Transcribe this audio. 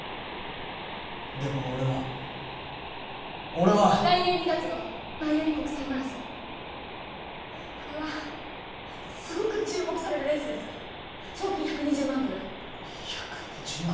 でも俺は俺は来年２月のマイアミ国際マラソンこれはすごく注目されるレースです賞金１２０万ドル１２０万！？